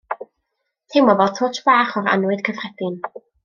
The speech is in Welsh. Teimlo fel twtsh bach o'r annwyd cyffredin.